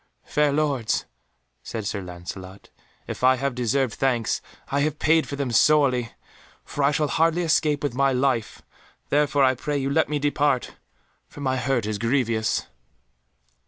"Fair Lords," said Sir Lancelot, "if I have deserved thanks, I have paid for them sorely, for I shall hardly escape with my life, therefore I pray you let me depart, for my hurt is grievous."